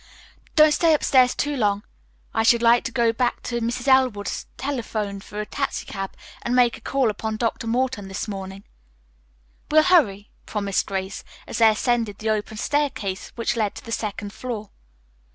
"Don't stay upstairs too long. I should like to go back to Mrs. Elwood's, telephone for a taxicab, and make a call upon Dr. Morton this morning." "We'll hurry," promised Grace, as they ascended the open staircase which led to the second floor.